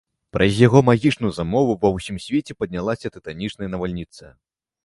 Праз яго магічную замову ва ўсім свеце паднялася тытанічная навальніца.